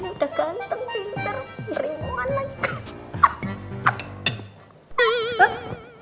udah ganteng pinter